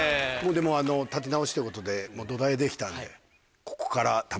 でもあの建て直しということで土台できたんで。